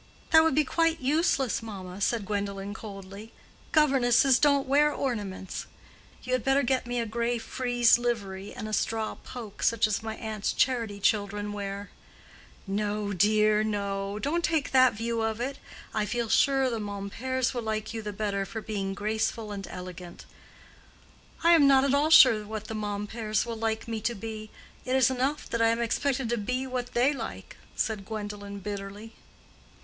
"That would be quite useless, mamma," said Gwendolen, coldly. "Governesses don't wear ornaments. You had better get me a gray frieze livery and a straw poke, such as my aunt's charity children wear." "No, dear, no; don't take that view of it. I feel sure the Momperts will like you the better for being graceful and elegant." "I am not at all sure what the Momperts will like me to be. It is enough that I am expected to be what they like," said Gwendolen bitterly.